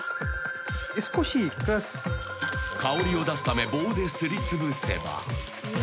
［香りを出すため棒ですりつぶせば］